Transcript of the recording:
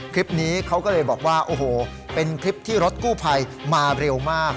คลิปนี้เขาก็เลยบอกว่าโอ้โหเป็นคลิปที่รถกู้ภัยมาเร็วมาก